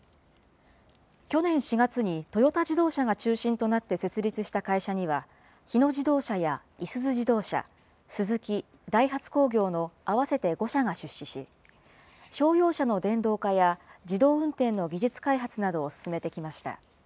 去年４月にトヨタ自動車が中心となって設立した会社には、日野自動車やいすゞ自動車、スズキ、ダイハツ工業の合わせて５社が出資し、商用車の電動化や自動運転の技術開発などを進めてきました。